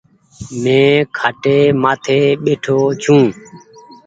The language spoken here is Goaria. مين کآٽي مآٿي ٻيٺو ڇو۔